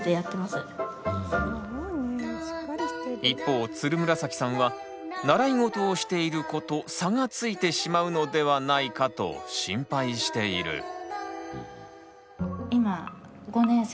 一方つるむらさきさんは習い事をしている子と差がついてしまうのではないかと心配している。